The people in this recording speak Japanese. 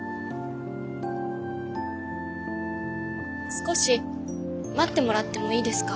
少し待ってもらってもいいですか？